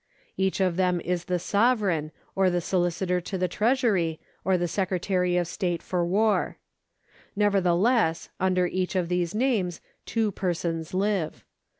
Each of them is the Sovereign, or the Sohcitor to the Treasury, or the Secretary of State for War, Nevertheless under each of these names two persons live.